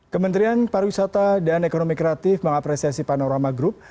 kementerian pariwisata dan ekonomi kreatif mengapresiasi panorama group